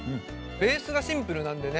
ベースがシンプルなんでね